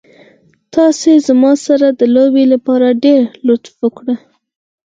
تاسې زما سره د لوبې لپاره ډېر لطف وکړ.